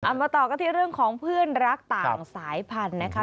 มาต่อกันที่เรื่องของเพื่อนรักต่างสายพันธุ์นะคะ